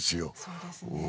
そうですね